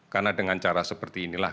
karena dengan cara seperti inilah